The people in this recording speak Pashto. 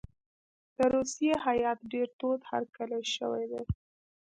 د روسیې هیات ډېر تود هرکلی شوی دی.